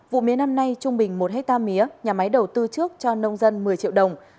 vụ mía năm nay trung bình một hectare mía nhà máy đầu tư trước cho nông dân một mươi triệu đồng